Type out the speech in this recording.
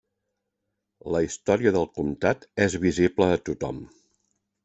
La història del comtat és visible a tothom.